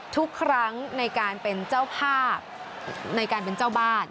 ทุกครั้งในการเป็นเจ้าภาพในการเป็นเจ้าบ้าน